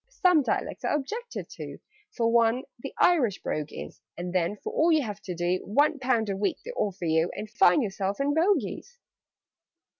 "Some dialects are objected to For one, the Irish brogue is: And then, for all you have to do, One pound a week they offer you, And find yourself in Bogies!"